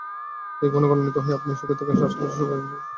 এই গুণে গুণান্বিত হয়ে আপনি সুখে থাকুন, আশপাশের সবাইকেও সুখে রাখুন।